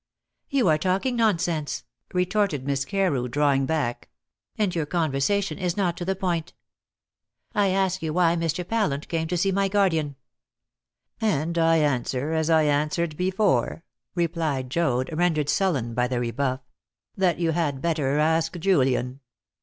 "You are talking nonsense!" retorted Miss Carew, drawing back; "and your conversation is not to the point. I ask you why Mr. Pallant called to see my guardian." "And I answer as I answered before," replied Joad, rendered sullen by the rebuff, "that you had better ask Julian.